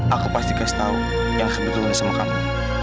aku pasti kasih tahu yang kebetulan sama kamu